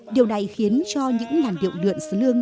điều này khiến cho những làn điệu lượn sơ lương